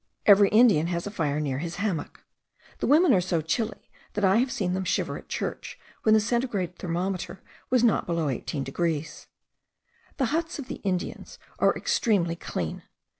Every Indian has a fire near his hammock. The women are so chilly, that I have seen them shiver at church when the centigrade thermometer was not below 18 degrees. The huts of the Indians are extremely clean.